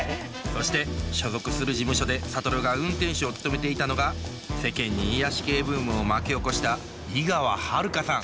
そして所属する事務所で諭が運転手を務めていたのが世間に癒やし系ブームを巻き起こした井川遥さん